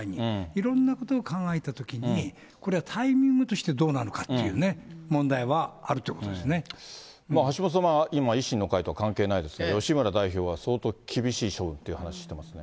いろんなことを考えたときに、これはタイミングとしてどうなのかっていう問題はあるということ橋下さんは今、維新の会とは関係ないですけれども、吉村代表は相当厳しい処分っていう話してますね。